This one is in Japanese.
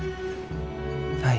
はい。